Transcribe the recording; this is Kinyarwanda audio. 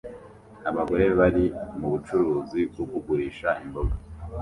Abagore bari mu bucuruzi bwo kugurisha imboga